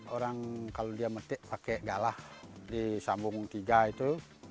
orang kalau dia metik pakai galah di sambung tiga itu